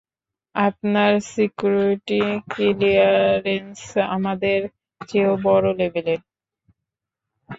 আপনার security clearance আমাদের চেয়েও বড় লেভেলের!